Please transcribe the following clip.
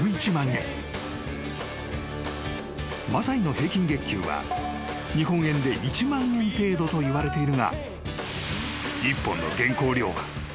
［マサイの平均月給は日本円で１万円程度といわれているが］